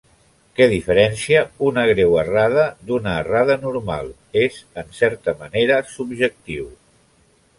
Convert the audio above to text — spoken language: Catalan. Què diferencia una greu errada d'una errada normal és en certa manera subjectiu.